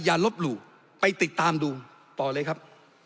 ลบหลู่ไปติดตามดูต่อเลยครับ